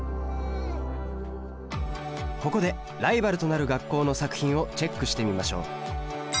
ここでライバルとなる学校の作品をチェックしてみましょう。